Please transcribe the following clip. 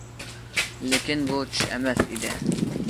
لېكىن، بۇ چۈش ئەمەس ئىدى.